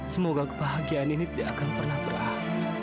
semoga kebahagiaan ini tidak akan pernah berakhir